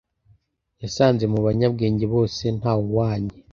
yasanze mu banyabwenge bose nta “wuhwanye